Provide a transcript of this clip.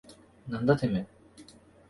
なんだてめえ。